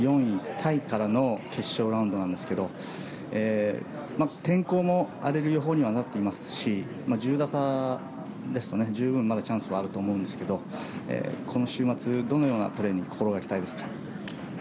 タイからの決勝ラウンドなんですが天候も荒れる予報にはなっていますし１０打差ですと十分チャンスはあると思うんですけどこの週末、どのようなプレーを心掛けたいですか？